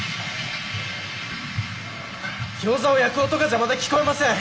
ギョーザを焼く音が邪魔で聞こえません！